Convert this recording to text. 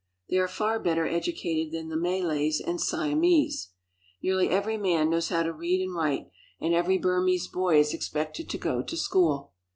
They are far better educated than the Malays and Siamese. Nearly every man knows how to read and write, and every Burmese boy is expected to go to school.